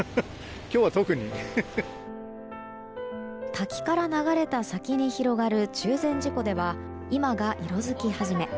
滝から流れた先に広がる中禅寺湖では今が色づき始め。